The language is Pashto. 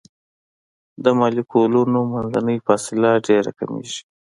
د مالیکولونو منځنۍ فاصله ډیره کمیږي.